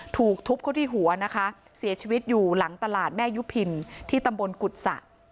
ถูกทุบเขาที่หัวนะคะเสียชีวิตอยู่หลังตลาดแม่ยุพินที่ตำบลกุศะ